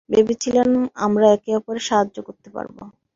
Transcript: ভেবেছিলাম আমরা একে অপরকে সাহায্য করতে পারব।